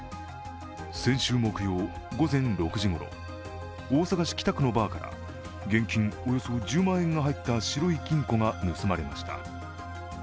先週木曜、午前６時ごろ、大阪市北区のバーから現金およそ１０万円が入った白い金庫が盗まれました。